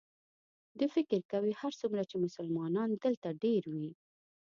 دوی فکر کوي هرڅومره چې مسلمانان دلته ډېر وي.